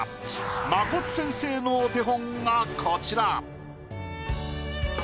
まこつ先生のお手本がこちら。